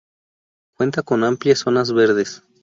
Cuenta con amplias zonas verdes.